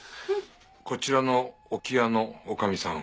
こちらの置屋の女将さん？